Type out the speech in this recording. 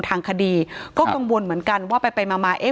ถ้าใครอยากรู้ว่าลุงพลมีโปรแกรมทำอะไรที่ไหนยังไง